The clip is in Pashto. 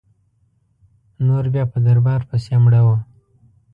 نور بیا په دربار پسي مړه وه.